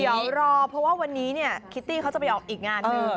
เดี๋ยวรอเพราะว่าวันนี้เนี่ยคิตตี้เขาจะไปออกอีกงานหนึ่ง